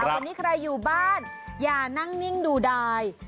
วันนี้ใครอยู่บ้านอย่านั่งนิ่งดูดาย